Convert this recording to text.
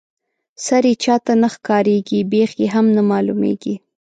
سر یې چاته نه ښکاريږي بېخ یې هم نه معلومیږي.